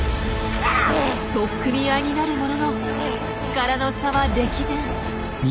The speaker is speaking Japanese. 取っ組み合いになるものの力の差は歴然。